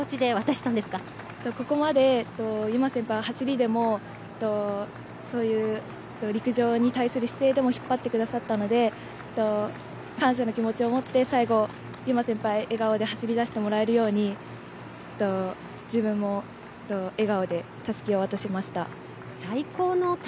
ここまで有真先輩は走りでも陸上に対する姿勢でも引っ張ってくださったので感謝の気持ちを持って最後有真先輩笑顔で走り出してもらえるように自分も笑顔でたすきを渡しました。